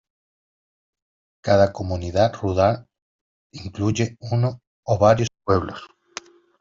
Cada comunidad rural incluye uno o varios pueblos.